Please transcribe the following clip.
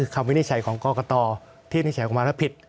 วินิจฉัยของกรกตที่วินิจฉัยออกมาแล้วผิด